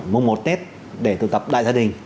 mùng một tết để tụ tập đại gia đình